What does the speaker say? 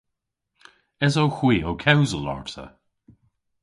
Esowgh hwi ow kewsel arta?